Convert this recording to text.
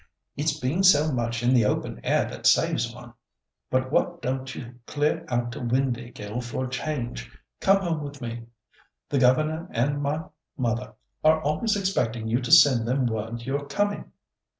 It's being so much in the open air that saves one. But why don't you clear out to Windāhgil for a change? Come home with me. The governor and my mother are always expecting you to send them word you're coming."